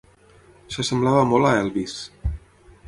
S'assemblava molt a Elvis.